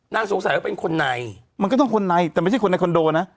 สงสัยว่าเป็นคนในมันก็ต้องคนในแต่ไม่ใช่คนในคอนโดนะ